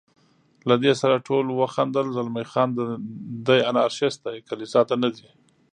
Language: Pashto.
له دې سره ټولو وخندل، زلمی خان: دی انارشیست دی، کلیسا ته نه ځي.